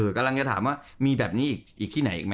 กำลังจะถามว่ามีแบบนี้อีกที่ไหนอีกไหม